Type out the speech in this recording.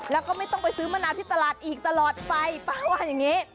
แล้วก็ไม่ต้องไปซื้อมะนาวที่ตลาดอีกตลอดไปป้าว่าอย่างนี้